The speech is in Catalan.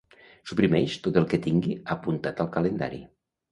Suprimeix tot el que tingui apuntat al calendari.